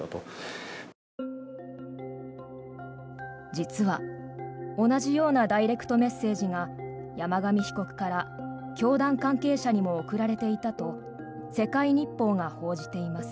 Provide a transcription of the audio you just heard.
実は、同じようなダイレクトメッセージが山上被告から教団関係者にも送られていたと世界日報が報じています。